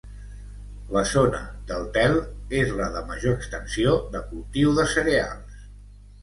La zona del Tel és la de major extensió de cultiu de cereals.